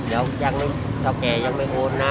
ใช่เขาบอกเดี๋ยวอย่างนึงเขาแกยังไม่โง่นนะ